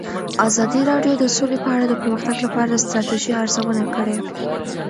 ازادي راډیو د سوله په اړه د پرمختګ لپاره د ستراتیژۍ ارزونه کړې.